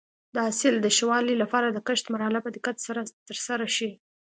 د حاصل د ښه والي لپاره د کښت مرحله په دقت سره ترسره شي.